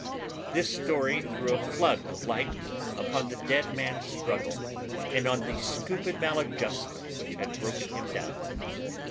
This story threw a flood of light upon the dead man's struggle and on the stupid maladjustment which had broken him down.